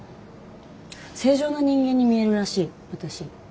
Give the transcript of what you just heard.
正常な人間に見えるらしい私。